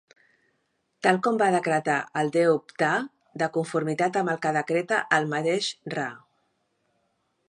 Tal com va decretar el déu Ptah de conformitat amb el que decreta el mateix Ra.